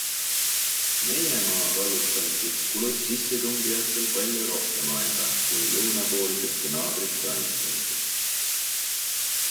Meie maa vallutamiseks kulus sissetungijatel palju rohkem aega kui lõunapoolsete naabrite alistamiseks.